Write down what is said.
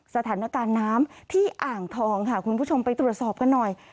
สถานการณ์น้ำที่อ่างทองค่ะคุณผู้ชมไปตรวจสอบกันหน่อย